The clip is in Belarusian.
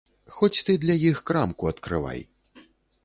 Хоць ты для іх крамку адкрывай!